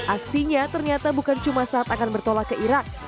aksinya ternyata bukan cuma saat akan bertolak ke irak